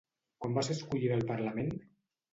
Quan va ser escollida al Parlament?